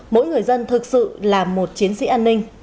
mỗi người dân thực sự là một chiến sĩ an ninh